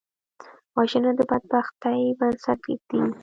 وژنه د بدبختۍ بنسټ ږدي